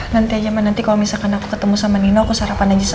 nanti aja mah nanti kalo misalkan aku ketemu sama mama ya